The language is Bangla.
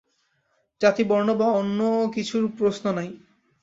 জাতি বর্ণ বা অন্য কিছুর প্রশ্ন নাই।